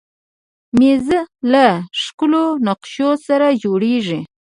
مېز له ښکلو نقشو سره جوړېږي.